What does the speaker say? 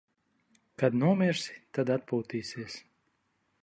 Kad nomirsi, tad atpūtīsies.